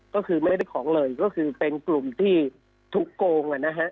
ก็คือไม่ได้ของเลยก็คือเป็นกลุ่มที่ถูกโกง